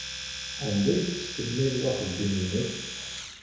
Anda ay tettkemmileḍ axeddim-nnek?